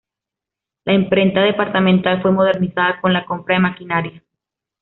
La imprenta Departamental fue modernizada con la compra de maquinaria.